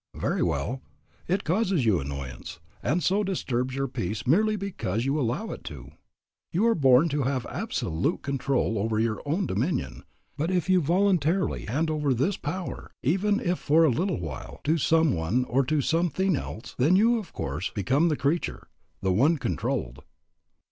Very well; it causes you annoyance, and so disturbs your peace merely because you allow it to. You are born to have absolute control over your own dominion, but if you voluntarily hand over this power, even if for a little while, to some one or to some thing else, then you of course, become the creature, the one controlled.